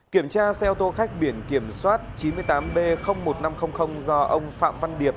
kiểm tra xe ô tô khách biển kiểm soát chín mươi tám b một nghìn năm trăm linh do ông phạm văn điệp